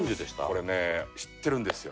これね知ってるんですよ。